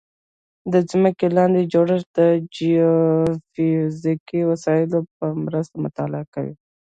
د ځمکې لاندې جوړښت د جیوفزیکي وسایلو په مرسته مطالعه کوي